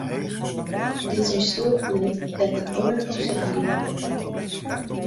Dy't syn stoel ferlit, dêr't in oar op sitten giet.